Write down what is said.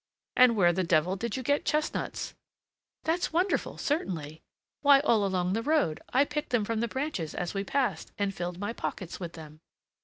"And where the devil did you get chestnuts?" "That's wonderful, certainly! why, all along the road, I picked them from the branches as we passed, and filled my pockets with them."